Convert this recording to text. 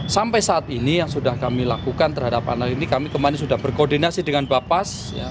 sampai saat ini yang sudah kami lakukan terhadap anak ini kami kemarin sudah berkoordinasi dengan bapaks